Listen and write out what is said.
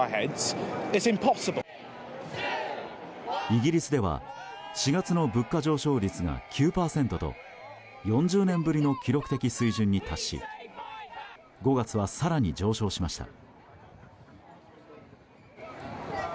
イギリスでは４月の物価上昇率が９％と４０年ぶりの記録的水準に達し５月は更に上昇しました。